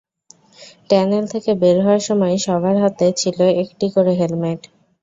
Tunnel থেকে বের হওয়ার সময় সবার হাতে ছিল একটি করে হেলমেট।